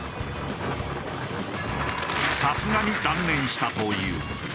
さすがに断念したという。